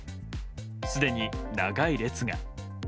すでに長い列が。